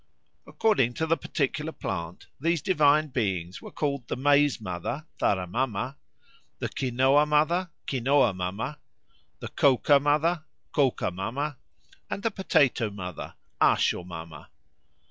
According to the particular plant, these divine beings were called the Maize mother (Zara mama), the Quinoa mother (Quinoa mama), the Coca mother (Coca mama), and the Potato mother (Axo mama).